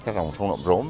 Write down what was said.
các rồng trong nộm rốm